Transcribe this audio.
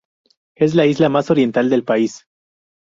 Es la isla más oriental del país.